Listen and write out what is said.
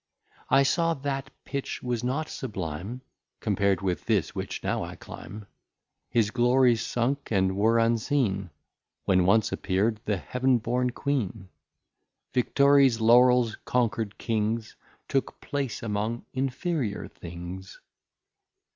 I saw that Pitch was not sublime, Compar'd with this which now I climb; His Glories sunk, and were unseen, When once appear'd the Heav'n born Queen: Victories, Laurels, Conquer'd Kings, Took place among inferiour things.